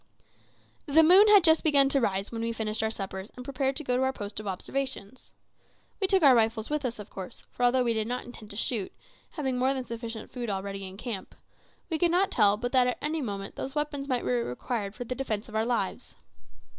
The moon had just begun to rise when we finished our suppers and prepared to go to our post of observation. We took our rifles with us of course, for although we did not intend to shoot, having more than sufficient food already in camp, we could not tell but that at any moment those weapons might be required for the defence of our lives.